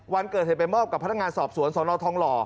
วันเกิดเหตุไปมอบกับพนักงานสอบสวนสนทองหล่อ